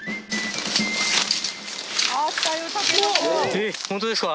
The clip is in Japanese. えっ本当ですか